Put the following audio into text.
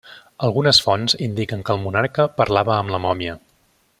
Algunes fonts indiquen que el monarca parlava amb la mòmia.